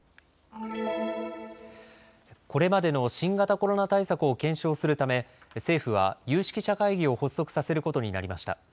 これまでの新型コロナ対策を検証するため政府は有識者会議を発足させることになりました。